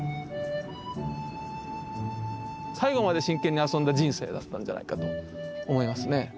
最後まで真剣に遊んだ人生だったんじゃないかと思いますね。